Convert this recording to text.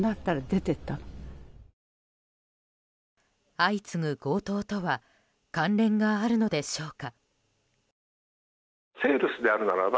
相次ぐ強盗とは関連があるのでしょうか。